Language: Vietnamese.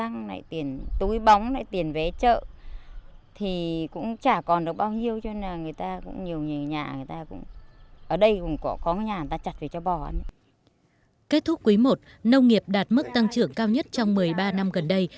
kết thúc quý i nông nghiệp đạt mức tăng trưởng cao nhất trong một mươi ba năm gần đây